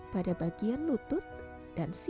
ke kosong berpangian berkusut misi